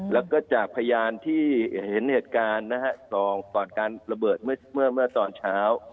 แล้วก็จากพยานที่เห็นเหตุการณ์นะฮะก่อนการระเบิดเมื่อตอนเช้า